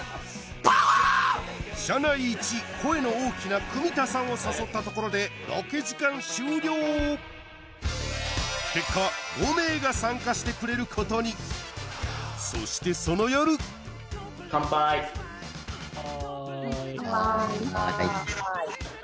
パワー社内一声の大きな汲田さんを誘ったところでロケ時間終了結果５名が参加してくれることにそしてその夜カンパーイカンパーイ